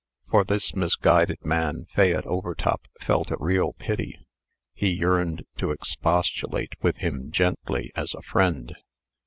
For this misguided man Fayette Overtop felt a real pity. He yearned to expostulate with him gently, as a friend.